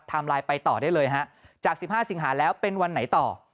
ไลน์ไปต่อได้เลยฮะจาก๑๕สิงหาแล้วเป็นวันไหนต่อ